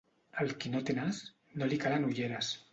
Al qui no té nas, no li calen ulleres.